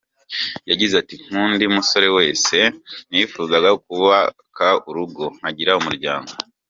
Yagize ati “Nk’undi musore wese, nifuzaga kubaka urugo, nkagira umuryango.